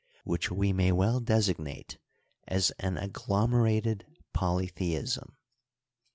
25 which we may well designate as an agglomerated poh theism.